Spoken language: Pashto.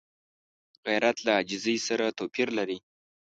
غیرت له عاجزۍ سره توپیر لري